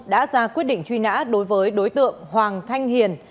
đã ra quyết định truy nã đối với đối tượng hoàng thanh hiền